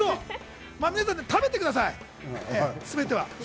皆さん食べてください、全ては。